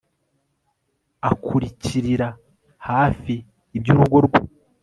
akurikirira hafi iby'urugo rwe